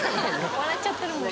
笑っちゃってるもん。